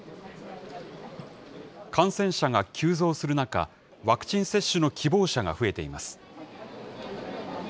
感染者が急増する中、ワクチン接種の希望者が増えています。